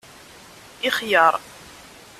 Ixyar